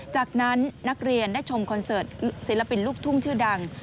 จากนั้นนักเรียนได้ชมคอนเสิร์ตศิลปินลูกทุ่งชื่อดัง